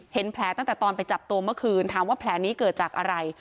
เห็นแผลตั้งแต่ตอนไปจับตัวเมื่อคืนถามว่าแผลนี้เกิดจากอะไร